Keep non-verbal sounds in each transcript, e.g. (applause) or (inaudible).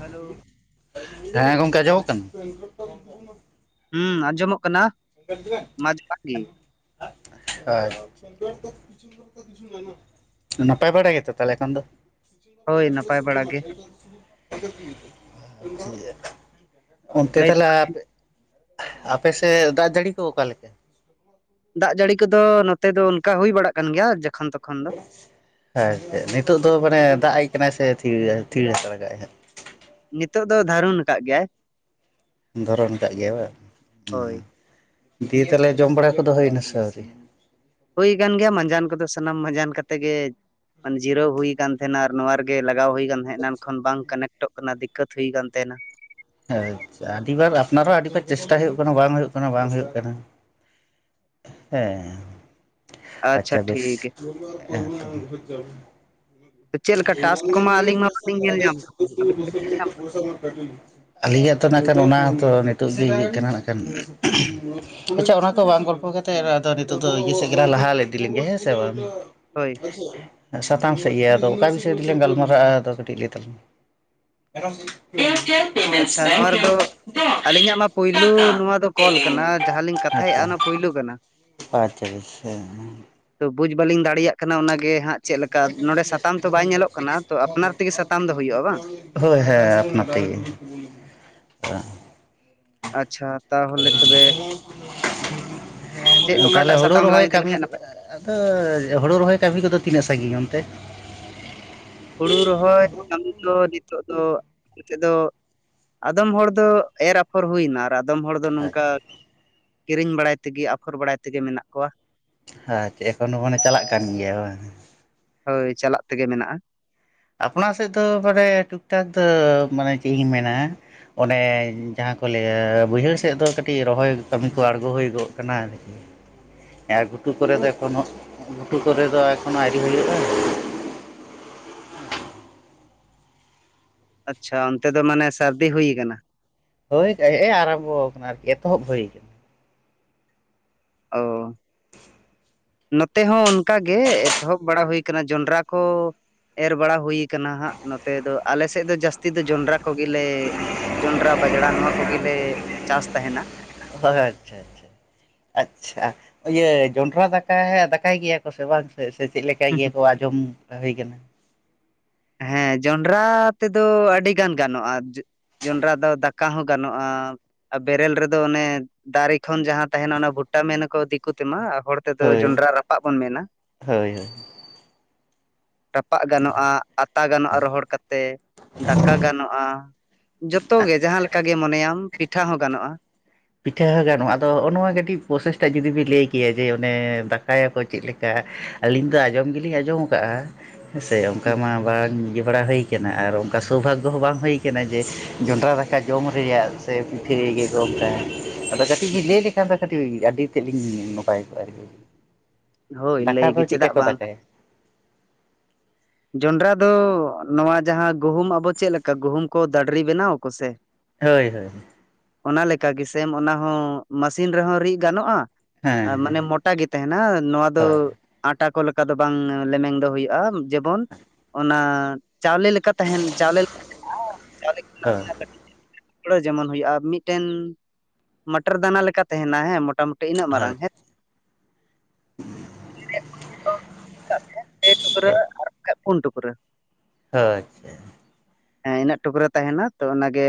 Hello ᱦᱮᱸ ᱜᱚᱝᱠᱮ ᱟᱸᱡᱚᱢᱚᱜ ᱠᱟᱱᱟ? ᱦᱩᱸ ᱟᱸᱡᱚᱢᱚᱜ ᱠᱟᱱᱟ᱾ ᱦᱳᱭ ᱢᱟ ᱡᱚᱦᱟᱨ ᱜᱮ ᱦᱳᱭ ᱱᱟᱯᱟᱭ ᱵᱟᱲᱟ ᱜᱮᱛᱚ ᱛᱟᱦᱚᱞᱮ ᱮᱠᱷᱚᱱ ᱫᱚ? ᱦᱳᱭ ᱱᱟᱯᱟᱭ ᱵᱟᱲᱟ ᱜᱮ (unintelligible) ᱚᱱᱛᱮ ᱞᱟᱹᱭ ᱛᱟᱦᱚᱞᱮ ᱟᱯᱮ ᱟᱯᱮᱥᱮᱫ ᱫᱟᱜ ᱡᱟᱹᱲᱤ ᱠᱚ ᱚᱠᱟ ᱞᱮᱠᱟ? ᱫᱟᱜ ᱡᱟᱹᱲᱤ ᱠᱚᱫᱚ ᱱᱚᱛᱮ ᱫᱚ ᱚᱱᱠᱟ ᱦᱳᱭ ᱵᱟᱲᱟᱜ ᱠᱟᱱ ᱜᱮᱭᱟ ᱡᱚᱠᱷᱚᱱ ᱛᱚ ᱟᱪᱪᱷᱟ ᱱᱤᱛᱳᱜ ᱫᱚ ᱢᱟᱱᱮ ᱫᱟᱜ ᱮᱡ ᱠᱟᱱᱟᱭ ᱥᱮ ᱛᱷᱤᱨ ᱛᱷᱤᱨ ᱞᱟᱜᱟᱜ -ᱟᱭ ᱦᱟ? ᱱᱤᱛᱳᱜ ᱫᱚ ᱫᱷᱟᱨᱩᱱ ᱟᱠᱟᱫ ᱜᱮᱭᱟᱭ᱾ ᱫᱷᱟᱨᱩᱱ ᱠᱟᱜ ᱜᱮᱭᱟᱭ ᱵᱟᱝ ᱦᱳᱭ ᱫᱤᱭᱮ ᱛᱟᱦᱚᱞᱮ ᱡᱚᱢ ᱵᱟᱲᱟ ᱠᱚᱫᱚ ᱦᱩᱭᱮᱱᱟ ᱥᱮ ᱟᱣᱨᱤ? ᱦᱳᱭ ᱟᱠᱟᱱ ᱜᱮᱭᱟ ᱢᱟᱸᱡᱟᱱ ᱠᱚᱫᱚ ᱥᱟᱱᱟᱢ ᱢᱟᱸᱡᱟᱱ ᱠᱟᱛᱮ ᱜᱮ ᱡᱤᱨᱟᱹᱣ ᱦᱩᱭ ᱠᱟᱱ ᱛᱟᱦᱮᱸᱱᱟ ᱟᱨ ᱱᱚᱣᱟ ᱨᱮ ᱜᱮ ᱞᱟᱜᱟᱣ ᱦᱩᱭ ᱠᱟᱱ ᱛᱟᱸᱦᱮᱜ ᱮᱱᱟᱝ ᱠᱷᱚᱱ ᱵᱟᱝ ᱠᱟᱱᱮᱠᱴᱚᱜ ᱠᱟᱱᱟ ᱫᱤᱠᱟᱛ ᱦᱩᱭ ᱠᱟᱱ ᱛᱟᱸᱦᱮᱱᱟ᱾ ᱟᱪᱪᱷᱟ ᱟᱹᱰᱤ ᱵᱟᱨ ᱟᱯᱱᱟᱨ ᱦᱚᱸ ᱟᱹᱰᱤ ᱵᱟᱨ ᱪᱮᱥᱴᱟ ᱦᱩᱭᱩᱜ ᱠᱟᱱᱟ ᱵᱟᱝ ᱦᱩᱭᱩᱜ ᱠᱟᱱᱟ ᱵᱟᱝ ᱦᱩᱭᱩᱜ ᱠᱟᱱᱟ᱾ ᱦᱮᱸ ᱟᱪᱪᱷᱟ ᱵᱮᱥ, ᱴᱷᱤᱠ ᱜᱮ᱾ ᱪᱮᱫ ᱞᱮᱠᱟ ᱦᱩ ᱴᱟᱥᱠ ᱠᱚᱢᱟ ᱟᱹᱞᱤᱧ ᱢᱟ ᱵᱟᱹᱞᱤᱧ ᱧᱮᱞ ᱧᱟᱢ ᱠᱟᱫᱟ, ᱟᱹᱵᱤᱱ (unintelligible) ᱵᱤᱱ ᱧᱮᱞ ᱧᱟᱢ (unintelligible) ᱠᱟᱫᱟ? ᱯᱚᱭᱥᱟ ᱠᱟᱴ ᱟᱹᱞᱤᱧᱟᱜ ᱦᱚᱛᱚ ᱱᱟᱜ ᱠᱷᱟᱱ ᱚᱱᱟᱛᱚ ᱱᱤᱛᱚᱜ ᱞᱤᱧ ᱦᱮᱡ ᱠᱟᱱᱟ ᱱᱟᱜᱠᱷᱟᱱ ᱟᱪᱪᱷᱟ ᱚᱱᱟ ᱠᱚ ᱵᱟᱝ ᱜᱚᱞᱯᱚ ᱠᱟᱛᱮᱫ ᱟᱫᱚ ᱱᱤᱛᱚᱜ ᱫᱚ ᱤᱭᱟᱹ ᱥᱮᱫ ᱜᱮ ᱞᱟᱦᱟ ᱤᱫᱤ ᱞᱮᱱᱜᱮ ᱦᱮᱸ ᱥᱮ ᱵᱟᱝ, ᱦᱳᱭ ᱥᱟᱛᱟᱢ ᱥᱮᱫ ᱜᱮ ᱟᱨ ᱟᱫᱚ ᱚᱠᱟ ᱵᱤᱥᱚᱭ ᱛᱮᱞᱤᱝ ᱜᱟᱞᱢᱟᱨᱟᱜᱼᱟ ᱟᱫᱚ ᱠᱟᱹᱴᱤᱡ ᱞᱟᱹᱭ ᱛᱟᱞᱟ ᱢᱮ ᱟᱪᱪᱷᱟ ᱯᱮᱢᱮᱱᱴᱥ ᱱᱚᱣᱟ ᱵᱮᱝᱠᱤᱝ ᱨᱮᱫᱚ ᱰᱮᱥ ᱟᱹᱞᱤᱧᱟᱜ ᱢᱟ ᱯᱳᱭᱞᱳ ᱴᱟᱠᱟ ᱱᱚᱣᱟ ᱫᱚ ᱠᱚᱞ ᱠᱟᱱᱟ ᱮᱞᱮᱱ ᱡᱟᱦᱟᱸᱞᱤᱧ ᱠᱟᱛᱷᱟᱭᱮᱫᱼᱟ ᱚᱱᱟ ᱯᱳᱭᱞᱳ ᱠᱟᱱᱟ᱾ ᱟᱪᱪᱷᱟ, ᱟᱪᱪᱷᱟ ᱟᱪᱪᱷᱟ ᱛᱚ ᱵᱩᱡ ᱵᱟᱹᱞᱤᱧ ᱫᱟᱲᱮᱭᱟᱜ ᱠᱟᱱᱟ ᱚᱱᱟᱜ ᱜᱮ ᱦᱟᱸᱜᱼᱼᱼ ᱪᱮᱫ ᱞᱮᱠᱟ ᱱᱚᱰᱮ ᱥᱟᱛᱟᱢ ᱛᱚ ᱵᱟᱭ ᱧᱮᱞᱚᱜ ᱠᱟᱱᱟ ᱛᱚ ᱟᱯᱱᱟᱨ ᱛᱮᱜᱮ ᱥᱟᱛᱟᱢ ᱫᱚ ᱦᱩᱭᱩᱜᱼᱟ ᱵᱟᱝ? ᱦᱳᱭ ᱦᱮᱸ ᱟᱯᱱᱟᱨ ᱛᱮᱜᱮᱼᱼ ᱟᱪᱪᱷᱟ ᱛᱟᱦᱚᱞᱮ ᱛᱚᱵᱮ ᱪᱮᱫ ᱛᱟᱦᱚᱞᱮ ᱚᱠᱟᱴᱟᱜ ᱦᱳᱲᱳ ᱥᱟᱛᱟᱢ ᱞᱟᱝ ᱨᱚᱦᱚᱭ ᱤᱫᱤ ᱠᱟᱹᱢᱤ ᱞᱮᱠᱷᱟᱡ ᱱᱟᱯᱟᱭ ᱟᱫᱚ ᱦᱳᱲᱳ ᱨᱚᱦᱚᱭ ᱠᱟᱹᱢᱤ ᱠᱚᱫᱚ ᱛᱤᱱᱟᱹᱜ ᱥᱟᱺᱜᱤᱧ ᱚᱱᱛᱮ? ᱦᱩᱲᱩ ᱨᱚᱦᱚᱭ ᱠᱟᱹᱢᱤ ᱫᱚ ᱱᱤᱛᱚᱜ ᱫᱚᱼᱼᱼᱼ ᱱᱚᱛᱮ ᱫᱚ ᱟᱫᱚᱢ ᱦᱚᱲ ᱫᱚ ᱮᱨ ᱟᱯᱷᱚᱨ ᱦᱩᱭᱱᱟ ᱟᱨ ᱟᱫᱚᱢ ᱦᱚᱲ ᱫᱚ ᱱᱚᱝᱠᱟᱼᱼᱼᱼ ᱟᱪᱪᱷᱟ ᱠᱤᱨᱤᱧ ᱵᱟᱲᱟᱭ ᱛᱮᱜᱮ ᱟᱯᱷᱚᱨ ᱵᱟᱲᱟᱭ ᱛᱮᱜᱮ ᱢᱮᱱᱟᱜ ᱠᱚᱣᱟ᱾ ᱟᱪᱪᱷᱟ ᱮᱠᱷᱚᱱ ᱦᱚᱸ ᱢᱟᱱᱮ ᱪᱟᱞᱟᱜ ᱠᱟᱱ ᱜᱮᱭᱟ ᱵᱟᱝ᱾ ᱦᱳᱭ ᱪᱟᱞᱟᱜ ᱛᱮᱜᱮ ᱢᱮᱱᱟᱜᱼᱟ᱾ ᱟᱯᱱᱟ ᱥᱮᱫ ᱫᱚ ᱢᱟᱱᱮ ᱴᱩᱠ ᱴᱟᱠ ᱫᱚ ᱢᱟᱱᱮ ᱪᱮᱫ ᱤᱧ ᱢᱮᱱᱟᱼᱼ ᱚᱱᱮ ᱡᱟᱦᱟᱸ ᱠᱚ ᱞᱟᱹᱭᱟ ᱵᱟᱹᱭᱦᱟᱹᱲ ᱥᱮᱫ ᱫᱚ ᱠᱟᱹᱴᱤᱡ ᱨᱚᱦᱚᱭ ᱠᱟᱹᱢᱤ ᱠᱚ ᱟᱬᱜᱚ ᱦᱳᱭᱜᱚᱜ ᱠᱟᱱᱟ᱾ ᱮᱠᱷᱚᱱ ᱜᱷᱩᱴᱩ ᱠᱚᱨᱮ ᱫᱚ ᱮᱠᱷᱚᱱᱳ ᱟᱣᱨᱤ ᱦᱩᱭᱩᱜᱼᱟ᱾ ᱟᱪᱪᱷᱟ ᱚᱱᱛᱮ ᱫᱚ ᱢᱟᱱᱮ ᱥᱟᱹᱨᱫᱤ ᱦᱩᱭ ᱠᱟᱱᱟ ᱾ ᱦᱳᱭ ᱱᱮᱜ ᱮ ᱟᱨᱟᱢᱵᱷᱚ ᱟᱠᱟᱱᱟ ᱟᱨᱠᱤ ᱮᱛᱚᱦᱚᱵ ᱦᱳᱭ ᱠᱟᱱᱟ᱾ ᱚ᱾ ᱱᱚᱛᱮ ᱦᱚᱸ ᱚᱱᱠᱟ ᱜᱮ ᱮᱛᱚᱦᱚᱵ ᱵᱟᱲᱟ ᱦᱩᱭ ᱠᱟᱱᱟ ᱡᱚᱱᱰᱨᱟ ᱠᱚ ᱮᱨ ᱵᱟᱲᱟ ᱦᱩᱭ ᱠᱟᱱᱟ ᱦᱟᱸᱜ ᱱᱚᱛᱮ ᱫᱚ ᱟᱞᱮᱥᱮᱫ ᱫᱚ ᱡᱟᱹᱥᱛᱤ ᱫᱚ ᱡᱚᱱᱰᱨᱟ ᱠᱚᱜᱮᱞᱮ ᱡᱚᱱᱰᱨᱟ, ᱵᱟᱡᱽᱲᱟ, ᱱᱚᱣᱟ ᱠᱚᱜᱮᱞᱮ ᱪᱟᱥ ᱛᱟᱦᱮᱱᱟ᱾ ᱦᱳᱭ ᱦᱳᱭ᱾ ᱟᱪᱪᱷᱟ ᱤᱭᱟᱹ ᱡᱚᱸᱰᱨᱟ ᱫᱟᱠᱟ ᱫᱟᱠᱟᱭ ᱜᱮᱭᱟ ᱠᱚ ᱥᱮ ᱵᱟᱝ ᱥᱮ ᱪᱮᱫ ᱞᱮᱠᱟ ᱪᱤᱠᱟᱹ ᱜᱮ ᱠᱚ ᱟᱸᱡᱚᱢ ᱦᱩᱭ ᱠᱟᱱᱟ᱾ ᱦᱮᱸ ᱡᱚᱱᱰᱨᱟ ᱛᱮᱫᱚ ᱟᱹᱰᱤᱜᱟᱱ ᱜᱟᱱᱚᱜ ᱼᱟ᱾ ᱡᱚᱸᱰᱨᱟ ᱫᱚ ᱫᱟᱠᱟ ᱦᱚᱸ ᱜᱟᱱᱚᱜᱼᱟ᱾ ᱟᱨ ᱵᱮᱨᱮᱞ ᱨᱮᱫᱚ ᱚᱱᱮ ᱫᱟᱨᱮ ᱠᱷᱚᱱ ᱡᱟᱦᱟᱸ ᱛᱟᱦᱮᱱᱟ ᱚᱱᱟ ᱵᱷᱩᱴᱟ ᱢᱮᱱᱟᱠᱚ ᱫᱤᱠᱩ ᱛᱮᱢᱟ ᱟᱨ ᱦᱚᱲ ᱛᱮᱫᱚ ᱦᱳᱭ ᱡᱚᱱᱰᱨᱟ ᱨᱟᱯᱟᱜ ᱵᱚᱱ ᱢᱮᱱᱟ᱾ ᱦᱳᱭ ᱦᱳᱭ ᱨᱟᱯᱟᱜ ᱜᱟᱱᱚᱜᱼᱟ, ᱟᱛᱟ ᱜᱟᱱᱚᱜᱼᱟ, ᱨᱚᱦᱚᱲ ᱠᱟᱛᱮ ᱫᱟᱠᱟ ᱜᱟᱱᱚᱜᱼᱟ, ᱡᱚᱛᱚ ᱡᱚᱛᱚ ᱜᱮ ᱡᱟᱦᱟᱸ ᱞᱮᱠᱟ ᱜᱮ ᱢᱚᱱᱮᱭᱟᱢ ᱯᱤᱴᱷᱟᱹ ᱦᱚᱸ ᱜᱟᱱᱚᱜᱼᱟ᱾ ᱯᱤᱴᱷᱟᱹ ᱦᱚᱸ ᱜᱟᱱᱚᱜᱼᱟ ᱟᱫᱚ ᱦᱚᱜᱱᱚᱣᱟ ᱠᱟᱹᱴᱤᱡ ᱯᱨᱚᱥᱮᱥᱴᱟ ᱡᱩᱫᱤ ᱵᱤᱱ ᱞᱟᱹᱭ ᱠᱮᱭᱟ ᱡᱮ ᱚᱱᱮ ᱫᱟᱠᱟᱭᱟᱠᱚ ᱪᱮᱫ ᱞᱮᱠᱟ ᱟᱹᱞᱤᱧ ᱫᱚ ᱟᱸᱡᱚᱢ ᱜᱮᱞᱤᱧ ᱟᱸᱡᱚᱢ ᱟᱠᱟᱫᱼᱟ ᱦᱮᱸ ᱥᱮ ᱚᱱᱠᱟ ᱢᱟ ᱵᱟᱝ ᱤᱭᱟᱹ ᱵᱟᱲᱟ ᱦᱩᱭ ᱠᱟᱱᱟ ᱟᱨ ᱚᱱᱠᱟ ᱥᱳᱵᱷᱟᱜᱳ ᱦᱚᱸ ᱵᱟᱝ ᱦᱩᱭ ᱠᱟᱱᱟ ᱡᱮ ᱡᱚᱸᱰᱨᱟ ᱫᱟᱠᱟ ᱡᱚᱢ ᱨᱮᱭᱟᱜ ᱥᱮ ᱯᱤᱴᱷᱟᱹ ᱨᱮᱜᱮ (unintelligible) ᱟᱫᱚ ᱠᱟᱹᱴᱤᱡ ᱞᱟᱹᱭ ᱞᱮᱠᱷᱟᱱ ᱫᱚ ᱠᱟᱹᱴᱤᱡ ᱟᱹᱰᱤ ᱛᱮᱫ ᱞᱤᱧ ᱱᱟᱯᱟᱭ ᱠᱚᱜᱼᱟ᱾ ᱦᱳᱭ ᱫᱟᱠᱟ ᱞᱟᱹᱭ ᱫᱚ ᱜᱮ ᱪᱮᱫᱠᱟ ᱪᱮᱫᱟᱜ ᱠᱚ ᱵᱟᱝ ᱫᱟᱠᱟᱭᱟ? ᱡᱚᱱᱰᱨᱟ ᱫᱚ ᱱᱚᱣᱟ ᱡᱟᱦᱟᱸ ᱜᱩᱦᱩᱢ ᱟᱵᱚ ᱪᱮᱫᱮ ᱞᱮᱠᱟ ᱜᱩᱦᱩᱢ ᱠᱚ ᱫᱟᱰᱨᱤ ᱵᱮᱱᱟᱣᱟᱠᱚ ᱥᱮ ᱦᱳᱭ ᱦᱳᱭ᱾ ᱚᱱᱟ ᱞᱮᱠᱟ ᱜᱮ ᱥᱮᱢ ᱚᱱᱟ ᱦᱚᱸ ᱢᱟᱥᱤᱱ ᱨᱮᱦᱚᱸ ᱨᱤᱫ ᱜᱟᱱᱚᱜᱼᱟ ᱦᱮᱸ ᱢᱟᱱᱮ ᱢᱚᱴᱟ ᱜᱮ ᱛᱟᱦᱮᱱᱟ ᱱᱚᱣᱟ ᱫᱚ ᱦᱳᱭ ᱟᱴᱟ ᱠᱚ ᱞᱮᱠᱟ ᱫᱚ ᱵᱟᱝ ᱞᱮᱢᱮᱝ ᱫᱚ ᱦᱩᱭᱩᱜᱼᱟ᱾ ᱡᱮᱢᱚᱱ ᱚᱱᱟ ᱪᱟᱣᱞᱮ ᱞᱮᱠᱟ ᱛᱟᱦᱮᱱ ᱪᱟᱣᱞᱮ ᱞᱮᱠᱟ (unintelligible) ᱡᱮᱢᱚᱱ ᱦᱩᱭᱩᱜᱼᱟ ᱢᱤᱫᱴᱮᱱ ᱢᱟᱴᱚᱨ ᱫᱟᱱᱟ ᱞᱮᱠᱟ ᱛᱟᱦᱮᱱᱟ ᱦᱮᱸ ᱢᱚᱴᱟᱢᱩᱴᱤ ᱤᱱᱟᱹᱜ ᱦᱳᱭ ᱢᱟᱨᱟᱝ ᱦᱮᱸ᱾ ᱯᱮ ᱴᱩᱠᱨᱟᱹ ᱦᱳᱭ ᱟᱨ ᱵᱟᱠᱷᱟ ᱯᱩᱱ ᱴᱩᱠᱨᱟᱹ ᱦᱳᱭ᱾ ᱦᱮᱸ ᱤᱱᱟᱹᱜ ᱴᱩᱠᱨᱟᱹ ᱛᱟᱦᱮᱱᱟ ᱛᱚ ᱚᱱᱟᱜᱮ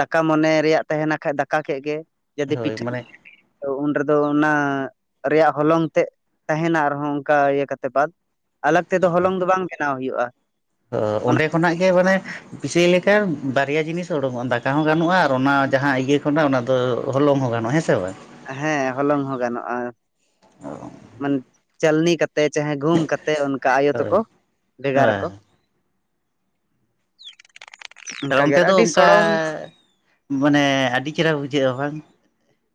ᱫᱟᱠᱟ ᱢᱚᱱᱮ ᱨᱮᱭᱟᱜ ᱛᱟᱦᱮᱱᱟ ᱠᱷᱟᱡ ᱫᱟᱠᱟ ᱠᱮᱜ ᱜᱮ ᱡᱩᱫᱤ ᱦᱳᱭ ᱯᱤᱴᱷᱟᱹ ᱢᱟᱱᱮ ᱚ ᱩᱱ ᱨᱮᱫᱚ ᱚᱱᱟ ᱨᱮᱭᱟᱜ ᱦᱚᱞᱚᱝ ᱛᱮᱜ ᱛᱟᱦᱮᱱᱟ ᱟᱨᱦᱚᱸ ᱚᱱᱠᱟ ᱤᱭᱟᱹ ᱠᱟᱛᱮ ᱵᱟᱫ ᱟᱞᱟᱜᱽ ᱛᱮᱫᱚ ᱦᱚᱞᱚᱝ ᱫᱚ ᱵᱟᱝ ᱵᱮᱱᱟᱣ ᱦᱩᱭᱩᱜᱼᱟ᱾ ᱚ ᱚᱱᱟ ᱚᱸᱰᱮ ᱠᱷᱚᱱᱟᱜ ᱜᱮ ᱢᱟᱱᱮ ᱯᱤᱥᱟᱹᱭ ᱞᱮᱠᱟ ᱵᱟᱨᱭᱟ ᱡᱤᱱᱤᱥ ᱩᱰᱩᱠᱚᱜᱼᱟ ᱫᱟᱠᱟ ᱦᱚ ᱜᱟᱱᱚᱜᱼᱟ ᱟᱨ ᱚᱱᱟ ᱡᱟᱦᱟᱸ ᱤᱭᱟᱹ ᱠᱷᱚᱱᱟᱜ ᱚᱱᱟ ᱛᱚ ᱦᱚᱞᱚᱝ ᱦᱚᱸ ᱜᱟᱱᱚᱜᱼᱟ ᱦᱮᱸᱥᱮ ᱵᱟᱝ? ᱦᱮᱸ ᱦᱚᱞᱚᱝ ᱦᱚᱸ ᱜᱟᱱᱚᱜᱼᱟ ᱢᱟᱱ ᱪᱟᱞᱱᱤ ᱠᱟᱛᱮ ᱛᱮ ᱪᱟᱦᱮ ᱜᱩᱢ ᱠᱟᱛᱮ ᱚᱱᱠᱟ ᱟᱭᱳ ᱦᱳᱭ ᱛᱟᱠᱚ ᱦᱳᱭ ᱵᱷᱮᱜᱟᱨᱟᱠᱚ ᱚᱱᱠᱟ ᱜᱮ ᱚᱱᱛᱮ ᱫᱚ ᱟᱹᱰᱤ ᱚᱱᱠᱟ ᱥᱚᱲᱚᱢ ᱢᱟᱱᱮ ᱟᱹᱰᱤ ᱪᱮᱦᱨᱟ ᱵᱩᱡᱷᱟᱹᱜᱼᱟ ᱵᱟᱝ?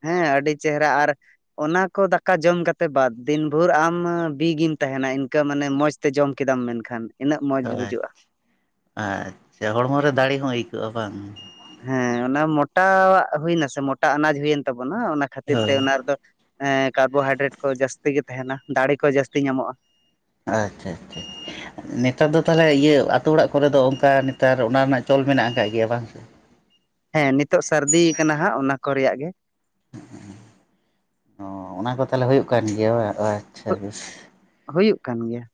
ᱦᱮᱸ ᱟᱹᱰᱤ ᱪᱮᱦᱨᱟ ᱟᱨ ᱚᱱᱟ ᱠᱚ ᱫᱟᱠᱟ ᱡᱚᱢ ᱠᱟᱛᱮ ᱵᱟᱫ ᱫᱤᱱ ᱵᱷᱳᱨ ᱟᱢ ᱵᱤᱜᱮᱢ ᱛᱟᱦᱮᱱᱟ ᱤᱱᱠᱟᱹ ᱢᱟᱱᱮ ᱢᱚᱡᱽ ᱛᱮ ᱡᱚᱢ ᱠᱮᱫᱟᱢ ᱢᱮᱱ ᱠᱷᱟᱱ ᱟᱪᱪᱷᱟ ᱟᱪᱪᱷᱟ ᱦᱚᱲᱢᱚ ᱨᱮ ᱫᱟᱲᱮ ᱦᱚᱸ ᱟᱹᱭᱠᱟᱹᱜᱼᱟ ᱦᱮ ᱵᱟᱝ? ᱦᱮᱸ ᱚᱱᱟ ᱢᱚᱴᱟᱣᱟᱜ ᱦᱩᱭᱱᱟᱥᱮ ᱢᱚᱴᱟ ᱟᱱᱟᱡ ᱦᱩᱭᱮᱱ ᱛᱟᱵᱚᱱᱟ ᱚᱱᱟ ᱠᱷᱟᱹᱛᱤᱨ ᱛᱮ ᱦᱳᱭ ᱚᱱᱟ ᱨᱮᱫᱚ ᱠᱟᱨᱵᱳᱦᱟᱭᱰᱨᱮᱴ ᱠᱚ ᱡᱟᱹᱥᱛᱤ ᱜᱮ ᱛᱟᱦᱮᱱᱟ ᱫᱟᱲᱮ ᱠᱚ ᱡᱟᱹᱥᱛᱤ ᱧᱟᱢᱚᱜᱼᱟ᱾ ᱟᱪᱪᱷᱟ ᱟᱪᱪᱷᱟ᱾ ᱱᱮᱛᱟᱨ ᱫᱚ ᱛᱟᱞᱦᱮ ᱤᱭᱟᱹ ᱟᱛᱳ ᱚᱲᱟᱜ ᱠᱚᱨᱮ ᱫᱚ ᱚᱱᱠᱟ ᱱᱮᱛᱟᱨ ᱚᱱᱟ ᱨᱮᱱᱟᱜ ᱪᱚᱞ ᱢᱮᱱᱟᱜ ᱠᱟᱜ ᱜᱮᱭᱟ ᱵᱟᱝ ᱥᱮ? ᱦᱮᱸ ᱱᱤᱛᱚᱜ ᱥᱟᱹᱨᱫᱤ ᱭᱮᱠᱟᱱᱟ ᱦᱟᱸᱜ ᱚᱱᱟ ᱠᱚ ᱨᱮᱭᱟᱜ ᱜᱮ᱾ ᱚ ᱚᱱᱟ ᱠᱚ ᱛᱟᱦᱞᱮ ᱦᱳᱭᱳᱜ ᱠᱟᱱ ᱜᱮᱭᱟ ᱵᱟ? ᱳ ᱟᱪᱪᱷᱟ ᱵᱮᱥ ᱦᱩᱭᱩᱜ ᱠᱟᱱ ᱜᱮᱭᱟ᱾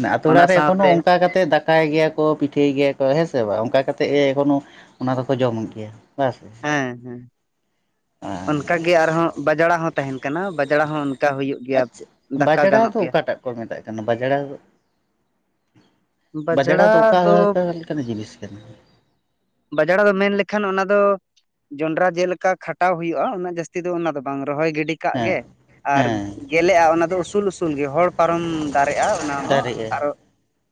ᱱᱮ ᱟᱛᱳ ᱚᱱᱟ ᱚᱲᱟᱨ ᱨᱮ ᱮᱠᱷᱚᱱᱳ ᱥᱟᱶᱛᱮ ᱚᱝᱠᱟ ᱠᱟᱛᱮ ᱫᱟᱠ ᱠᱟᱭ ᱜᱮᱭᱟ ᱠᱚ ᱯᱤᱴᱷᱟᱹᱭ ᱜᱮᱭᱟ ᱠᱚ ᱦᱮᱸ ᱥᱮ ᱵᱟᱝ? ᱚᱝᱠᱟ ᱠᱟᱛᱮᱜ ᱜᱮ ᱮᱠᱷᱚᱱᱳ ᱚᱱᱟ ᱫᱚᱠᱚ ᱡᱚᱢ ᱜᱮᱭᱟ ᱵᱟ ᱥᱮ? ᱦᱮᱸ ᱦᱮᱸ ᱚᱱᱠᱟ ᱜᱮ ᱟᱨᱦᱚᱸ ᱵᱟᱡᱽᱲᱟ ᱦᱚᱸ ᱛᱮᱦᱮᱱ ᱠᱟᱱᱟ ᱵᱟᱡᱽᱲᱟ ᱦᱚᱸ ᱚᱱᱠᱟ ᱦᱩᱭᱩᱜ ᱜᱮᱭᱟ ᱟᱪᱪᱷᱟ ᱫᱟᱠᱟ ᱵᱟᱡᱽᱲᱟ ᱜᱟᱱᱚᱜ ᱫᱚ ᱜᱮᱭᱟ᱾ ᱚᱠᱟᱴᱟᱜ ᱠᱚ ᱢᱮᱛᱟᱜ ᱠᱟᱱᱟ ᱵᱟᱡᱽᱲᱟ ᱵᱟᱡᱽᱲᱟ ᱫᱚ ᱚᱠᱟ (inaudible) ᱡᱤᱱᱤᱥ ᱠᱟᱱᱟ? ᱵᱟᱡᱽᱲᱟ ᱫᱚ ᱢᱮᱱ ᱞᱮᱠᱷᱟᱱ ᱚᱱᱟ ᱫᱚ ᱡᱚᱱᱰᱨᱟ ᱡᱮᱞᱮᱠᱟ ᱠᱷᱟᱴᱟᱣ ᱦᱩᱭᱩᱜᱼᱟ ᱩᱱᱟᱹᱜ ᱡᱟᱹᱥᱛᱤ ᱫᱚ ᱚᱱᱟ ᱫᱚ ᱵᱟᱝ ᱨᱚᱦᱚᱭ ᱜᱤᱰᱤ ᱠᱟᱜ ᱦᱮᱸ ᱜᱮ ᱟᱨ ᱦᱮᱸ ᱜᱮᱞᱮᱜᱼᱟ ᱚᱱᱟ ᱫᱚ ᱩᱥᱩᱞ ᱩᱥᱩᱞ ᱜᱮ ᱦᱚᱲ ᱯᱟᱨᱚᱢ ᱫᱟᱨᱮᱜᱼᱟ ᱚᱱᱟ ᱦᱚᱸ ᱫᱟᱨᱮᱜᱼᱟ ᱟᱨᱚ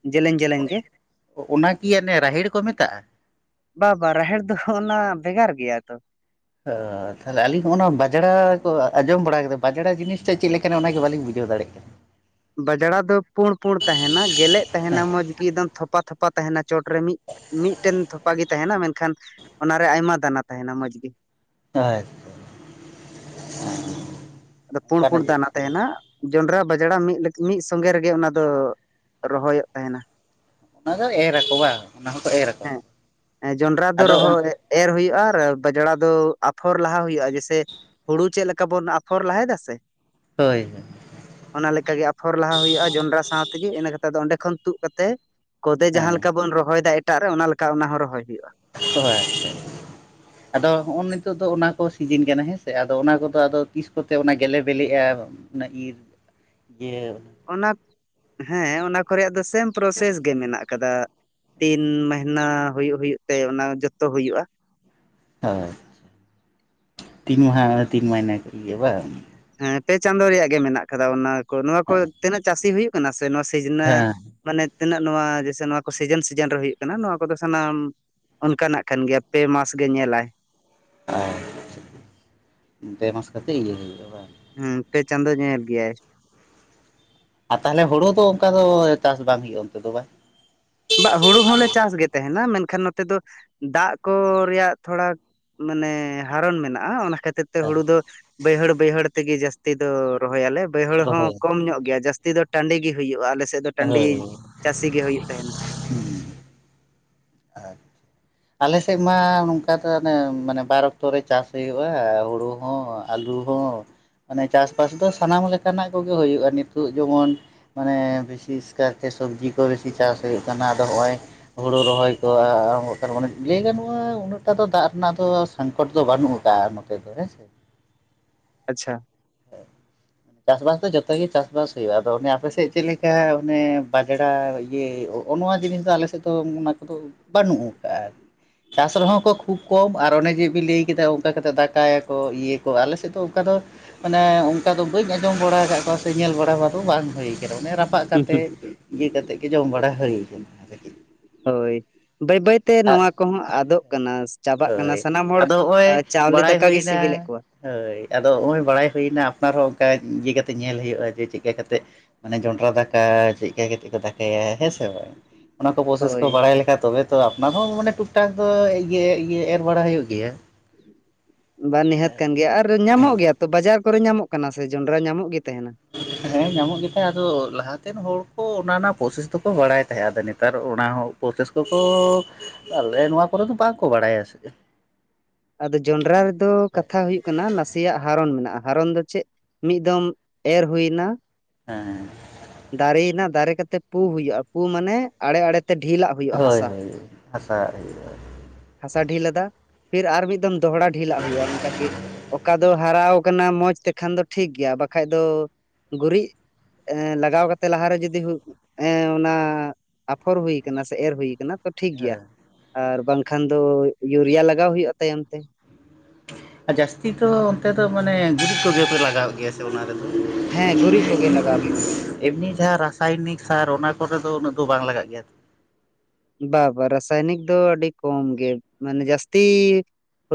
ᱡᱮᱞᱮᱧ ᱡᱮᱞᱮᱧ ᱜᱮ ᱚᱱᱟ ᱠᱤ ᱚᱱᱮ ᱨᱟᱦᱮᱲ ᱠᱚ ᱢᱮᱛᱟᱜᱼᱟ ᱵᱟᱼᱵᱟ ᱨᱟᱦᱮᱲ ᱫᱚ ᱚᱱᱟ ᱵᱷᱮᱜᱟᱨ ᱜᱮᱭᱟ ᱛᱚ᱾ ᱚᱻ ᱛᱟᱦᱞᱮ ᱟᱹᱞᱤᱧ ᱦᱚᱸᱜᱼᱚ ᱱᱟ ᱵᱟᱡᱽᱲᱟ ᱠᱚ ᱟᱸᱡᱚᱢ ᱵᱟᱲᱟ ᱠᱟᱫᱟ ᱵᱟᱡᱽᱲᱟ ᱡᱤᱱᱤᱥᱴᱟᱜ ᱪᱮᱜ ᱞᱮᱠᱟᱱᱟ ᱚᱱᱟᱜᱮ ᱵᱟᱞᱤᱧ ᱵᱩᱡᱷᱟᱹᱣ ᱫᱟᱲᱮᱜ ᱠᱟᱱᱟ᱾ ᱵᱟᱡᱽᱲᱟ ᱫᱚ ᱯᱳᱸᱲ ᱯᱳᱸᱲ ᱛᱟᱦᱮᱱᱟ ᱜᱮᱞᱮᱜ ᱛᱟᱦᱮᱱᱟ ᱢᱚᱸᱡᱽ ᱜᱮ ᱮᱫᱚᱢ ᱛᱷᱚᱯᱟ ᱛᱷᱚᱯᱟ ᱛᱟᱦᱮᱱᱟ ᱪᱚᱴᱨᱮ ᱢᱤᱜ ᱢᱤᱜᱴᱮᱱ ᱛᱷᱚᱯᱟ ᱜᱮ ᱛᱟᱦᱮᱱᱟ ᱢᱮᱱᱠᱷᱟᱱ ᱚᱱᱟᱨᱮ ᱟᱭᱢᱟ ᱫᱟᱱᱟ ᱛᱟᱦᱮᱱᱟ ᱢᱚᱸᱡᱽᱜᱮ᱾ ᱟᱪᱪᱷᱟ (unintelligible) ᱟᱫᱚ ᱯᱳᱸᱰ ᱯᱳᱸᱰ ᱫᱟᱱᱟ ᱛᱮᱦᱮᱱᱟ᱾ ᱡᱚᱱᱰᱨᱟ ᱵᱟᱡᱽᱲᱟ ᱢᱤᱜ ᱢᱤᱜ ᱥᱚᱸᱜᱮ ᱨᱮᱜᱮ ᱚᱱᱟ ᱫᱚ ᱨᱚᱦᱚᱭᱚᱜ ᱛᱟᱦᱮᱱᱟ᱾ ᱚᱱᱟ ᱫᱚ ᱮᱨ ᱟᱠᱚ ᱵᱟᱝ ᱚᱱᱟ ᱦᱚᱸᱠᱚ ᱮᱨᱟᱠᱚ ᱦᱮᱸ ᱡᱚᱱᱰᱨᱟ ᱫᱚ ᱟᱫᱚ ᱨᱚᱦᱚᱭ ᱮᱨ ᱦᱩᱭᱩᱜᱼᱟ ᱟᱨ ᱵᱟᱡᱽᱲᱟ ᱫᱚ ᱟᱯᱷᱚᱨ ᱞᱟᱦᱟ ᱦᱩᱭᱩᱜᱼᱟ ᱡᱮᱥᱮ ᱦᱩᱲᱩ ᱪᱮᱫ ᱞᱮᱠᱟ ᱵᱚᱱ ᱟᱯ ᱯᱷᱚᱨ ᱞᱟᱦᱟᱭᱫᱟ ᱥᱮ ᱦᱳᱭ ᱦᱳᱭ᱾ ᱚᱱᱟ ᱞᱮᱠᱟᱜᱮ ᱟᱯᱷᱚᱨ ᱞᱟᱦᱟ ᱦᱩᱭᱩᱜᱼᱟ ᱡᱚᱱᱰᱨᱟ ᱥᱟᱣ ᱛᱮᱜᱤ ᱤᱱᱟᱹ ᱠᱟᱛᱮ ᱫᱚ ᱚᱸᱰᱮ ᱠᱷᱚᱱ ᱛᱩᱜ ᱠᱟᱛᱮ ᱠᱚᱫᱮ ᱦᱮᱸ ᱡᱟᱦᱟᱸ ᱞᱮᱠᱟ ᱵᱚᱱ ᱨᱚᱦᱚᱭᱫᱟ ᱮᱴᱟᱜ ᱨᱮ ᱚᱱᱟ ᱞᱮᱠᱟ ᱚᱱᱟ ᱦᱚᱸ ᱨᱚᱦᱚᱭ ᱦᱳᱭᱳᱜᱼᱟ᱾ (inaudible) ᱟᱫᱚ ᱦᱚᱸᱜ-ᱚ ᱱᱤᱛᱳᱜ ᱫᱚ ᱚᱱᱟ ᱠᱚ ᱥᱤᱡᱤᱱ ᱠᱟᱱᱟ ᱦᱮᱸ ᱥᱮ ᱟᱫᱚ ᱚᱱᱟ ᱠᱚᱫᱚ ᱟᱫᱚ ᱛᱤᱥ ᱠᱚᱛᱮ ᱚᱱᱟ ᱜᱮᱞᱮ ᱵᱮᱞᱮᱜᱼᱟ? ᱚᱱᱟ ᱤᱨ ᱜᱮ ᱚᱱᱟ ᱦᱮᱸ ᱚᱱᱟ ᱠᱚ ᱨᱮᱭᱟᱜ ᱫᱚ ᱥᱮᱢ ᱯᱨᱚᱥᱮᱥ ᱜᱮ ᱢᱮᱱᱟᱜ ᱟᱠᱟᱫᱟ᱾ ᱛᱤᱱ ᱢᱮᱦᱱᱟ ᱦᱩᱭᱩᱜ ᱦᱩᱭᱩᱜ ᱛᱮ ᱚᱱᱟ ᱡᱚᱛᱚ ᱦᱩᱭᱩᱜᱼᱟ᱾ ᱦᱳᱭ ᱛᱤᱱ ᱢᱟᱦᱟᱸ ᱛᱤᱱ ᱢᱟᱱᱮ ᱤᱭᱟᱹ ᱵᱟᱝ? ᱦᱮᱸ ᱯᱮ ᱪᱟᱸᱫᱳ ᱨᱮᱭᱟᱜ ᱜᱮ ᱢᱮᱱᱟᱜ ᱠᱟᱫᱟ ᱚᱱᱟ ᱠᱚ ᱱᱚᱣᱟ ᱠᱚ ᱛᱤᱱᱟᱹᱜ ᱪᱟᱹᱥᱤ ᱦᱩᱭᱩᱜ ᱠᱟᱱᱟ ᱥᱮ ᱱᱚᱣᱟ ᱥᱤᱡᱽᱱᱟᱹ ᱦᱮᱸ ᱢᱟᱱᱮ ᱛᱤᱱᱟᱹᱜ ᱱᱚᱣᱟ ᱡᱮᱥᱮ ᱱᱚᱣᱟ ᱠᱚ ᱥᱤᱡᱮᱱ ᱥᱤᱡᱮᱱ ᱨᱮ ᱦᱩᱭᱩᱜ ᱠᱟᱱᱟ ᱱᱚᱣᱟ ᱠᱚᱫᱚ ᱥᱟᱱᱟᱢᱼᱼ ᱚᱱᱠᱟᱱᱟᱜ ᱠᱟᱱ ᱜᱮᱭᱟ ᱯᱮ ᱢᱟᱥ ᱜᱮ ᱧᱮᱞᱟᱭ᱾ ᱟᱨ ᱯᱮ ᱢᱟᱥ ᱠᱟᱛᱮᱜ ᱤᱭᱟᱹ ᱦᱩᱭᱩᱜᱼᱟ ᱵᱟᱝ? ᱦᱩᱸ ᱯᱮ ᱪᱟᱸᱫᱚ ᱧᱮᱞ ᱜᱮᱭᱟᱭ᱾ ᱟ ᱛᱟᱦᱞᱮ ᱦᱳᱲᱳ ᱫᱚ ᱚᱱᱠᱟ ᱫᱚ ᱪᱟᱥ ᱵᱟᱝ ᱦᱩᱭᱩᱜᱼᱟ ᱚᱱᱛᱮ ᱫᱚ ᱵᱟ? ᱵᱟ ᱦᱩᱲᱩ ᱦᱚᱸᱞᱮ ᱪᱟᱥ ᱜᱮ ᱛᱮᱦᱮᱱᱟ ᱢᱮᱱᱠᱷᱟᱱ ᱱᱚᱛᱮ ᱫᱚ ᱫᱟᱜ ᱠᱚ ᱨᱮᱭᱟᱜ ᱛᱷᱚᱲᱟᱼᱼ ᱢᱟᱱᱮ ᱦᱟᱨᱚᱱ ᱢᱮᱱᱟᱜᱼᱟ ᱚᱱᱟ ᱠᱷᱟᱹᱛᱤᱨᱼᱼ ᱛᱮ ᱦᱩᱲᱩ ᱫᱚ ᱵᱟᱹᱭᱦᱟᱹᱲ ᱵᱟᱹᱭᱦᱟᱹᱲ ᱛᱮᱜᱮ ᱡᱟᱹᱥᱛᱤ ᱫᱚ ᱨᱚᱦᱚᱭᱟᱞᱮ ᱵᱟᱹᱭᱦᱟᱹᱲ ᱦᱚᱸ ᱨᱚᱦᱚᱭ ᱠᱚᱢ ᱧᱚᱜ ᱜᱮᱭᱟ ᱡᱟᱥᱼᱼ ᱛᱤ ᱫᱚ ᱴᱟᱺᱰᱤ ᱜᱮ ᱦᱩᱭᱩᱜᱼᱟ ᱟᱞᱮᱥᱮᱜ ᱫᱚ ᱴᱟᱺᱰᱤ ᱦᱳᱭ ᱪᱟᱹᱥᱤ ᱜᱮ ᱦᱩᱭᱩᱜ ᱛᱟᱦᱮᱱᱟ᱾ (unintelligible) ᱟᱡ ᱟᱞᱮᱥᱮᱡ ᱢᱟ ᱱᱚᱝᱠᱟ ᱛᱚ ᱚᱱᱮ ᱢᱟᱱᱮ ᱵᱟᱨ ᱚᱠᱛᱚ ᱨᱮ ᱪᱟᱥ ᱦᱩᱭᱩᱜᱼᱟ ᱦᱩᱲᱩ ᱦᱚᱸᱼᱼ ᱟᱹᱞᱩ ᱦᱚᱸ ᱢᱟᱱᱮ ᱪᱟᱥ- ᱵᱟᱥ ᱫᱚ ᱥᱟᱱᱟᱢ ᱞᱮᱠᱟᱱᱟᱜ ᱠᱚᱜᱮ ᱦᱩᱭᱩᱜᱼᱟ ᱱᱤᱛᱩᱜ ᱡᱮᱢᱚᱱ ᱢᱟᱱᱮ ᱵᱤᱥᱤᱥ ᱠᱟᱭ ᱛᱮ ᱥᱚᱵᱽᱡᱤ ᱠᱚ ᱵᱮᱥᱤ ᱪᱟᱥ ᱦᱩᱭᱩᱜ ᱠᱟᱱᱟ ᱟᱫᱚ ᱦᱚᱜᱼᱚᱭ ᱦᱩᱲᱩ ᱨᱚᱦᱚᱭ ᱫᱚ ᱟᱹ-ᱟᱹ ᱛᱟᱨ ᱢᱟᱱᱮ ᱞᱟᱹᱭ ᱜᱟᱱᱚᱜᱼᱟ ᱩᱱᱟᱹᱜᱴᱟ ᱫᱚ ᱫᱟᱜ ᱨᱮᱱᱟᱜ ᱫᱚ ᱥᱟᱝᱠᱚᱴ ᱫᱚ ᱵᱟᱹᱱᱩᱜ ᱟᱠᱟᱜᱼᱟ ᱱᱚᱛᱮ ᱫᱚ ᱦᱮᱸ ᱥᱮ ᱟᱪᱪᱷᱟ (unintelligible) ᱪᱟᱥ-ᱵᱟᱥ ᱫᱚ ᱡᱚᱛᱚ ᱜᱤ ᱪᱟᱥ-ᱵᱟᱥ ᱦᱩᱭᱩᱜᱼᱟ ᱟᱫᱚ ᱚᱱᱮ ᱟᱯᱮ ᱥᱮᱡ ᱪᱮᱜ ᱞᱮᱠᱟ ᱚᱱᱮ ᱵᱟᱡᱽᱲᱟ ᱤᱭᱟᱹ ᱳᱜ ᱚ ᱱᱚᱣᱟ ᱡᱤᱱᱤᱥ ᱫᱚ ᱟᱞᱮ ᱥᱮᱫ ᱫᱚ ᱩᱸ-ᱩᱱᱟ ᱠᱚᱫᱚ ᱵᱟᱹᱱᱩᱜ ᱠᱟᱜᱼᱟ ᱪᱟᱥ ᱨᱮᱦᱚ ᱠᱚ ᱩᱠ ᱠᱚᱢ ᱟᱨ ᱚᱱᱮ ᱡᱮ ᱵᱤᱱ ᱞᱟᱹᱭ ᱠᱮᱫᱟ ᱚᱝᱠᱟ ᱠᱟᱛᱮ ᱫᱟᱠᱟᱭᱟᱠᱚ ᱤᱭᱟᱹ ᱠᱚ ᱟᱞᱮ ᱥᱮᱫ ᱫᱚ ᱚᱝᱠᱟ ᱫᱚ ᱢᱟᱱᱮ ᱚᱝᱠᱟ ᱫᱚ ᱵᱟᱹᱧ ᱟᱸᱡᱚᱢ ᱵᱟᱲᱟ ᱟᱠᱟᱜ ᱠᱚᱣᱟ ᱥᱮ ᱧᱮᱞ ᱵᱟᱲᱟ ᱵᱟᱫᱩᱝ ᱵᱟᱝ ᱦᱩᱭ ᱠᱟᱱᱟ ᱚᱱᱮ ᱨᱟᱯᱟᱜ ᱦᱩᱸ ᱦᱩᱸ ᱠᱟᱛᱮᱫ ᱤᱭᱟᱹ ᱠᱟᱛᱮᱜ ᱜᱮ ᱡᱚᱢ ᱵᱟᱲᱟ ᱦᱟᱹᱭ ᱠᱟᱱᱟ ᱦᱳᱭ ᱵᱟᱹᱭ ᱵᱟᱹᱭ ᱛᱮ ᱟᱜ ᱱᱚᱣᱟ ᱠᱚᱦᱚᱸ ᱟᱫᱚᱜ ᱠᱟᱱᱟ ᱪᱟᱵᱟᱜ ᱠᱟᱱᱟ ᱦᱳᱭ ᱥᱟᱱᱟᱢ ᱦᱚᱲ ᱟᱫᱚ ᱦᱚᱜᱼᱚᱭ ᱪᱟᱣᱞᱮ ᱵᱟᱲᱟᱭ ᱫᱟᱠᱟ ᱜᱮ ᱦᱩᱭᱱᱟ ᱥᱤᱵᱤᱞᱮᱫ ᱠᱚᱣᱟ ᱦᱳᱭ ᱟᱫᱚ ᱦᱚᱜ-ᱚᱭ ᱵᱟᱲᱟᱭ ᱦᱩᱭᱱᱟ ᱟᱯᱱᱟᱨ ᱦᱚᱸ ᱚᱠᱟᱭ ᱤᱭᱟᱹ ᱠᱟᱛᱮᱜ ᱧᱮᱞ ᱦᱩᱭᱩᱜᱼᱟ ᱡᱮ ᱪᱮᱜ ᱠᱟ ᱠᱟᱛᱮᱜ ᱢᱟᱱᱮ ᱡᱚᱱᱰᱨᱟ ᱫᱟᱠᱟ ᱪᱤᱜ ᱠᱟ ᱠᱟᱛᱮᱜ ᱠᱚ ᱫᱟᱠᱟᱭᱟ ᱦᱮᱸ ᱥᱮ ᱵᱟᱝ ᱚᱱᱟ ᱠᱚ ᱯᱨᱚᱥᱮᱥ ᱠᱚ ᱦᱳᱭ ᱵᱟᱲᱟᱭ ᱞᱮᱠᱷᱟ ᱛᱚᱵᱮ ᱛᱚ ᱟᱯᱱᱟᱨ ᱦᱚᱸ ᱢᱟᱱᱮ ᱴᱩᱠ ᱴᱟᱠ ᱫᱚ ᱤᱭᱟᱹ ᱤᱭᱟᱹ ᱮᱨ ᱵᱟᱲᱟ ᱦᱩᱭᱩᱜ ᱜᱮᱭᱟ (inaudible) ᱵᱟᱸ ᱱᱤᱦᱟᱹᱛ ᱠᱟᱱ ᱜᱮᱭᱟ ᱟᱨ ᱧᱟᱢᱚᱜ ᱜᱮᱭᱟ ᱛᱚ ᱵᱟᱡᱟᱨ ᱠᱚᱨᱮ ᱧᱟᱢᱚᱜ ᱠᱟᱱᱟ ᱥᱮ ᱡᱚᱱᱰᱨᱟ ᱧᱟᱢᱚᱜ ᱜᱮ ᱛᱟᱦᱮᱱᱟ ᱦᱮᱸ ᱧᱟᱢᱚᱜ ᱜᱤᱛᱷᱮᱸ ᱟᱫᱚ ᱞᱟᱦᱟ ᱛᱮᱱ ᱦᱚᱲ ᱠᱚ ᱚᱱᱟ ᱨᱮᱱᱟᱜ ᱯᱚᱨᱥᱮᱥ ᱫᱚᱠᱚ ᱵᱟᱲᱟᱭ ᱛᱟᱦᱮᱸᱜ-ᱟ ᱟᱫᱚ ᱱᱮᱛᱟᱨ ᱚᱱᱟ ᱦᱚᱸ ᱯᱚᱨᱥᱮᱥ ᱠᱚᱠᱚ ᱟᱞᱮ ᱱᱚᱣᱟ ᱠᱚᱨᱮ ᱫᱚ ᱵᱟᱝ ᱠᱚ ᱵᱟᱲᱟᱭᱟ ᱥᱮ ᱟᱫᱚ ᱡᱚᱱᱰᱨᱟ ᱨᱮᱫᱚ ᱠᱟᱛᱷᱟ ᱦᱩᱭᱩᱜ ᱠᱟᱱᱟ ᱱᱟᱥᱤᱭᱟᱜ ᱦᱟᱨᱚᱱ ᱢᱮᱱᱟᱜᱼᱟ ᱦᱟᱨᱚᱱ ᱫᱚ ᱪᱮᱜ ᱢᱤᱜ ᱫᱚᱢ ᱮᱨ ᱦᱩᱭᱱᱟ ᱦᱮᱸ ᱫᱟᱨᱤᱭᱱᱟ ᱫᱟᱨᱮ ᱠᱟᱛᱮᱜ ᱯᱩ ᱦᱩᱭᱩᱜᱼᱟ ᱯᱩ ᱢᱟᱱᱮ ᱟᱲᱮ ᱟᱲᱮ ᱛᱮ ᱰᱷᱤᱞᱟᱜ ᱦᱩᱭᱩᱜ ᱦᱳᱭ ᱦᱳᱭ ᱟᱥᱟ ᱦᱟᱥᱟ ᱰᱷᱤᱞ ᱞᱟᱫᱟ ᱯᱷᱤᱨ ᱟᱨ ᱢᱤᱜᱫᱷᱚᱢ ᱫᱚᱦᱲᱟ ᱰᱷᱤᱞ ᱞᱟᱜ ᱦᱩᱭᱩᱜᱼᱟ ᱚᱝᱠᱟ ᱜᱮ ᱚᱠᱟ ᱫᱚ ᱦᱟᱨᱟᱣ ᱠᱟᱱᱟ ᱢᱚᱡᱽ ᱛᱮᱠᱷᱟᱱ ᱫᱚ ᱴᱷᱤᱠ ᱜᱮᱭᱟ ᱵᱟᱠᱷᱟᱡ ᱫᱚ ᱜᱩᱨᱤᱡ ᱦᱮᱸ ᱞᱟᱠ ᱞᱟᱜᱟᱣ ᱠᱟᱛᱮ ᱞᱟᱦᱟᱨᱮ ᱡᱩᱫᱤ ᱜᱩ ᱮᱸ ᱚᱱᱟ ᱟᱯᱷᱚᱨ ᱦᱩᱭ ᱠᱟᱱᱟ ᱥᱮ ᱮᱨ ᱦᱩᱭ ᱠᱟᱱᱟ ᱛᱚ ᱴᱷᱤᱠ ᱜᱮᱭᱟ ᱦᱮᱸ ᱟᱨ ᱵᱟᱝᱠᱷᱟᱱ ᱫᱚ ᱭᱩᱨᱤᱭᱟ ᱞᱟᱜᱟᱣ ᱦᱩᱭᱩᱜᱼᱟ ᱛᱟᱭᱚᱢ ᱛᱮ ᱟ ᱡᱟᱥᱛᱤ ᱫᱚ ᱚᱱᱛᱮ ᱫᱚ ᱢᱟᱱᱮ ᱜᱩᱨᱤᱡ ᱠᱩᱜᱮ ᱯᱮ ᱞᱟᱜᱟᱣ ᱜᱮᱭᱟ ᱦᱮᱸ ᱜᱩᱨᱤᱡ ᱠᱚᱜᱮ ᱞᱟᱜᱟᱣ ᱛᱟᱦᱮᱱᱟ (inaudible) ᱮᱢᱱᱤ ᱡᱟᱦᱟᱸ ᱨᱟᱥᱟᱭᱱᱤᱠ ᱥᱟᱨ ᱚᱱᱟ ᱠᱚ ᱨᱮᱫᱚ ᱩᱱᱟᱹᱜ ᱫᱚ ᱵᱟᱝ ᱞᱟᱜᱟᱜ ᱜᱮᱭᱟ ᱵᱟ ᱵᱟ ᱨᱟᱥᱟᱭᱱᱤᱠ ᱫᱚ ᱟᱹᱰᱤ ᱠᱚᱢ ᱜᱮ ᱢᱟᱱᱮ ᱡᱟᱹᱥᱛᱤ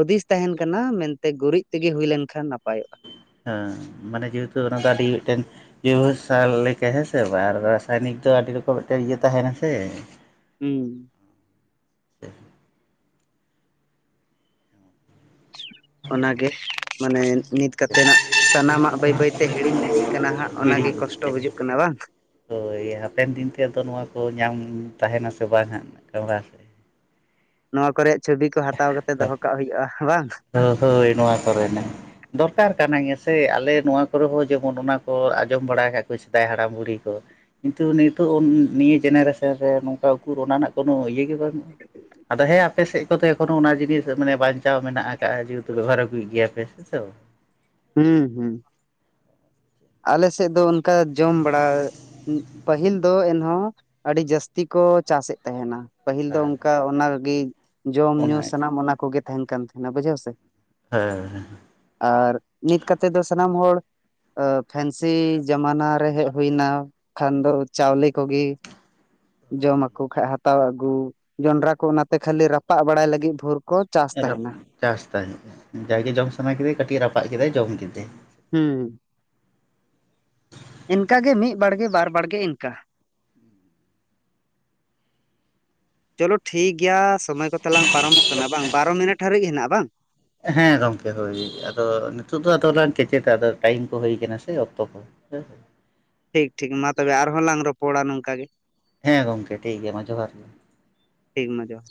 ᱦᱩᱫᱤᱥ ᱛᱟᱦᱮᱱ ᱠᱟᱱᱟ ᱢᱮᱱᱛᱮ ᱜᱩᱨᱤᱡᱽ ᱛᱤᱜᱮ ᱦᱩᱭ ᱞᱮᱱᱠᱷᱟᱱ ᱱᱟᱯᱟᱭᱚᱜᱼᱟ ᱦᱮᱸ ᱢᱟᱱᱮ ᱡᱮᱦᱮᱛᱩ ᱚᱱᱟ ᱫᱚ ᱟᱹᱰᱤ ᱢᱤᱜᱴᱮᱱ (unintelligible) ᱥᱟᱨ ᱞᱮᱠᱟ ᱦᱮᱸ ᱥᱮ ᱵᱟᱝ ᱨᱟᱥᱟᱭᱱᱤᱠ ᱫᱚ ᱟᱹᱰᱤ ᱨᱚᱠᱚᱢ ᱢᱮᱜᱴᱮᱡ ᱤᱭᱟᱹ ᱛᱟᱦᱮᱱᱟ ᱥᱮ ᱦᱩᱸ ᱚᱱᱟ ᱜᱮ ᱢᱟᱱᱮ ᱱᱤᱛ ᱠᱟᱛᱮ ᱱᱟᱜ ᱥᱟᱱᱟᱢᱟᱜ ᱵᱟᱹᱭ ᱵᱟᱹᱭ ᱛᱮ ᱦᱤᱲᱤᱧ ᱤᱫᱤᱜ ᱠᱟᱱᱟ ᱦᱟᱸᱜ ᱚᱱᱟ ᱜᱤᱲᱤ ᱜᱮ ᱠᱚᱥᱴᱚ ᱵᱩᱡᱩᱜ ᱠᱟᱱᱟ ᱵᱟᱝ ᱦᱳᱭ ᱦᱟᱯᱮᱱ ᱫᱤᱱ ᱛᱮ ᱟᱫᱚ ᱱᱚᱣᱟ ᱠᱚ ᱧᱟᱢ ᱛᱟᱦᱮᱱᱟ ᱥᱮ ᱵᱟᱝ ᱦᱟᱸᱜ ᱠᱟᱢᱨᱟ ᱱᱚᱣᱟ ᱠᱚᱨᱮᱜ ᱪᱚᱵᱤ ᱠᱚ ᱦᱟᱛᱟᱣ ᱠᱟᱛᱮ ᱫᱚᱦᱚ ᱠᱟᱜ ᱦᱩᱭᱩᱜᱼᱟ ᱵᱟᱝ ᱚ ᱦᱳᱭ ᱱᱚᱣᱟ ᱠᱚᱨᱮᱱᱟᱜ ᱫᱚᱨᱠᱟᱨ ᱠᱟᱱᱟ ᱜᱮᱸᱭᱟ ᱥᱮ ᱟᱞᱮ ᱱᱚᱣᱟ ᱠᱚᱨᱮ ᱦᱚᱸ ᱡᱚᱢᱚᱱ ᱚᱱᱟ ᱠᱚ ᱟᱸᱡᱚᱢ ᱵᱟᱲᱟ ᱠᱟᱜ ᱠᱩᱪᱷ ᱥᱮᱫᱟᱭ ᱦᱟᱲᱟᱢ ᱵᱩᱲᱦᱤ ᱠᱚ ᱠᱤᱱᱛᱩ ᱱᱤᱛᱚᱜ ᱚᱱ ᱱᱤᱭᱟᱹ ᱡᱮᱱᱮᱨᱮᱥᱚᱱ ᱨᱮ ᱱᱚᱝᱠᱟ ᱩᱠᱩᱨ ᱚᱱᱟ ᱨᱮᱱᱟᱜ ᱠᱳᱱᱳ ᱤᱭᱟᱹ ᱜᱮ ᱵᱟᱹᱱᱩᱜ ᱟᱫᱚ ᱦᱮᱸ ᱟᱯᱮ ᱥᱮᱫ ᱠᱚᱛᱮ‌ ᱠᱳᱱᱳ ᱚᱱᱟ ᱡᱤᱱᱤᱥ ᱢᱟᱱᱮ ᱵᱟᱸᱧᱪᱟᱣ ᱢᱮᱱ ᱠᱟᱜ-ᱟ ᱡᱮᱦᱮᱛᱩ ᱵᱮᱵᱚᱦᱟᱨ ᱟᱹᱜᱩᱭᱮᱜ ᱜᱮᱭᱟ ᱯᱮ ᱥᱮ ᱦᱮᱸ ᱥᱮ ᱵᱟᱝ᱾ ᱦᱩᱸ, ᱦᱩᱸ ᱟᱞᱮ ᱥᱮᱫ ᱫᱚ ᱚᱱᱠᱟ ᱡᱚᱢ ᱵᱟᱲᱟ ᱯᱟᱹᱦᱤᱞ ᱫᱚ ᱮᱱᱦᱚᱸ ᱟᱹᱰᱤ ᱡᱟᱹᱥᱛᱤ ᱠᱚ ᱪᱟᱥ ᱮᱜ ᱛᱟᱦᱮᱱᱟ᱾ ᱯᱟᱹᱦᱤᱞ ᱫᱚ ᱦᱮᱸ ᱚᱱᱠᱟ ᱚᱱᱟ ᱞᱟᱜᱤᱫ ᱡᱚᱢ ᱧᱩ ᱚᱱᱟ ᱦᱮᱸ ᱥᱟᱱᱟᱢ ᱚᱱᱟ ᱠᱚᱜᱮ ᱛᱟᱦᱮᱱ ᱠᱟᱱ ᱛᱟᱦᱮᱱᱟ ᱵᱩᱡᱷᱟᱹᱣ ᱥᱮ ᱾ ᱦᱮᱸ, ᱦᱮᱸ᱾ ᱟᱨ ᱱᱤᱛ ᱠᱟᱛᱮᱫ ᱫᱚ ᱥᱟᱱᱟᱢ ᱦᱚᱲ ᱟᱸᱻ ᱯᱷᱮᱱᱥᱤ ᱡᱟᱢᱟᱱᱟ ᱨᱮ ᱦᱮᱡ ᱦᱩᱭᱱᱟ᱾ ᱠᱷᱟᱱ ᱫᱚ ᱪᱟᱣᱞᱮ ᱠᱚᱜᱮ ᱡᱚᱢᱟ ᱠᱚ ᱠᱷᱟᱡ ᱦᱟᱛᱟᱣ ᱟᱹᱜᱩ ᱡᱚᱸᱱᱰᱨᱟ ᱠᱚ ᱚᱱᱟᱛᱮ ᱠᱷᱟᱹᱞᱤ ᱨᱟᱯᱟᱜ ᱵᱟᱲᱟᱭ ᱞᱟᱹᱜᱤᱫ ᱵᱷᱳᱨ ᱠᱚ ᱪᱟᱥ ᱨᱟ ᱛᱟᱦᱮᱱᱟ ᱪᱟᱥ ᱛᱟᱦᱮᱸᱜ-ᱟ ᱡᱟᱜᱮ ᱡᱚᱢ ᱥᱟᱱᱟ ᱠᱮᱫᱮ ᱠᱟᱹᱴᱤᱡ ᱮ ᱨᱟᱯᱟᱜ ᱠᱮᱫᱟᱭ ᱡᱚᱢ ᱠᱮᱫᱮ᱾ ᱦᱩᱸ‌᱾ ᱤᱱᱠᱟ ᱜᱮ ᱢᱤᱫ ᱵᱟᱲᱜᱮ ᱵᱟᱨ ᱵᱟᱲᱜᱮ ᱤᱱᱠᱟ᱾ ᱪᱚᱞᱳ ᱴᱷᱤᱠ ᱜᱮᱭᱟ ᱥᱚᱢᱚᱭ ᱠᱚ ᱛᱟᱞᱟᱝ ᱯᱟᱨᱚᱢᱚᱜ ᱠᱟᱱᱟ ᱵᱟᱝ, ᱵᱟᱨᱚ ᱢᱤᱱᱤᱴ ᱦᱟᱹᱨᱤᱡ ᱦᱮᱱᱟᱜ-ᱟ ᱵᱟᱝ? ᱦᱮᱸ ᱜᱚᱝᱠᱮ ᱦᱳᱭ ᱟᱫᱚ ᱱᱤᱛᱳᱜ ᱫᱚ ᱟᱫᱚ ᱞᱟᱝ ᱠᱮᱪᱮᱫᱟ ᱟᱫᱚ ᱴᱟᱭᱤᱢ ᱠᱚ ᱦᱳᱭ ᱠᱟᱱᱟ ᱥᱮ ᱚᱠᱛᱚ ᱠᱚ᱾ ᱦᱮᱸ, ᱦᱮᱸ᱾ ᱴᱷᱤᱠ, ᱴᱷᱤᱠ ᱢᱟ ᱛᱚᱵᱮ ᱟᱨᱦᱚᱸ ᱞᱟᱝ ᱨᱚᱯᱚᱲᱟ ᱱᱚᱝᱠᱟ ᱜᱮ᱾ ᱦᱮᱸ ᱜᱚᱝᱠᱮ ᱴᱷᱤᱠ ᱜᱮᱭᱟ ᱢᱟ ᱡᱚᱦᱟᱨ ᱜᱮ᱾ ᱴᱷᱤᱠ ᱢᱟ ᱡᱚᱦᱟᱨ᱾